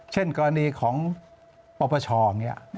เช่นกรณีของประประชองนี้